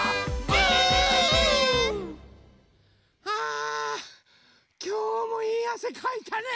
あきょうもいいあせかいたね。